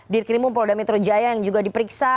dir kirimu pol d metro jaya yang juga diperiksa